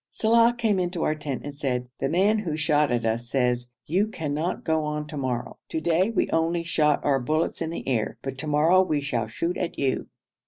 Saleh came in to our tent and said, 'The man who shot at us says, "You cannot go on to morrow. To day we only shot our bullets in the air, but to morrow we shall shoot at you."'